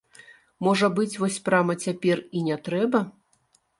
Можа быць, вось прама цяпер і не трэба.